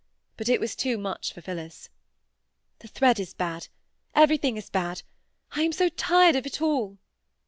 But it was too much for Phillis. "The thread is bad—everything is bad—I am so tired of it all!"